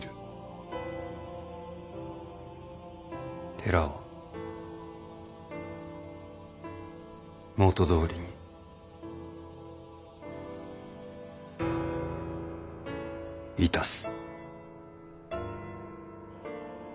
寺は元どおりにいたす。